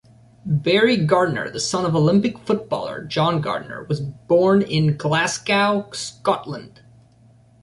Barry Gardiner, the son of Olympic footballer, John Gardiner was born in Glasgow, Scotland.